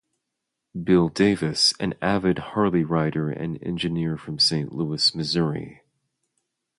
Bill Davis, an avid Harley rider and engineer from Saint Louis, Mo.